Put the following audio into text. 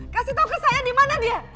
kasih tahu ke saya di mana dia